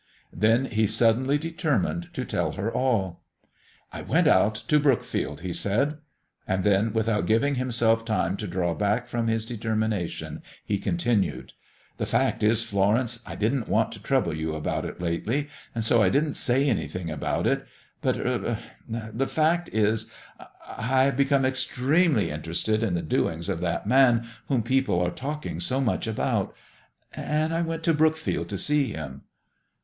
Then he suddenly determined to tell her all. "I went out to Brookfield," he said. And then, without giving himself time to draw back from his determination, he continued: "The fact is, Florence, I didn't want to trouble you about it lately, and so I didn't say anything about it, but er the fact is, I have become extremely interested in the doings of that Man whom people are talking so much about, and I went to Brookfield to see Him."